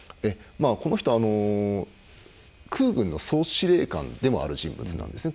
この人は空軍の総司令官でもある人物なんですね。